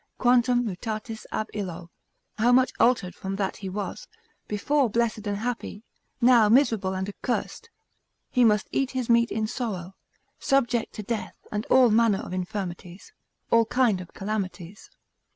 Quantum mutatus ab illo? How much altered from that he was; before blessed and happy, now miserable and accursed; He must eat his meat in sorrow, subject to death and all manner of infirmities, all kind of calamities.